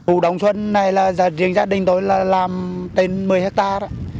ủ đồng xuân này là riêng gia đình tôi làm một mươi hectare